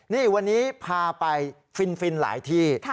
นี่วันนี้พาไปฟินหลายที่